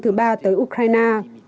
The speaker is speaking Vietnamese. thứ ba tới ukraine